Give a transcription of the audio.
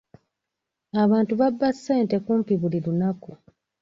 Abantu babba ssente kumpi buli lunaku.